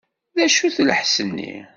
D acu-t lḥess-nni?